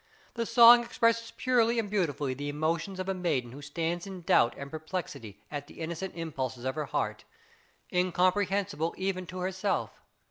The song expresses purely and beautifully the emotions of a maiden who stands in doubt and perplexity at the innocent impulses of her heart, incomprehensible even to herself.